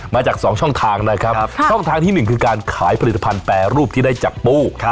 มาจาก๒ช่องทางนะครับช่องทางที่๑คือการขายผลิตภัณฑ์แปรรูปที่ได้จากปู